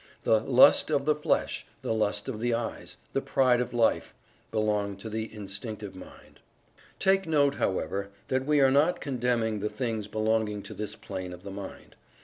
The "lust of the flesh; the lust of the eyes; the pride of life," belong to the Instinctive Mind. Take note, however, that we are not condemning the things belonging to this plane of the mind.